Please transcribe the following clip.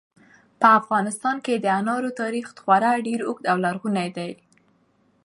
په افغانستان کې د انارو تاریخ خورا ډېر اوږد او لرغونی دی.